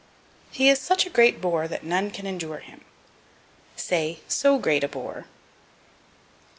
"He is such a great bore that none can endure him." Say, so great a bore.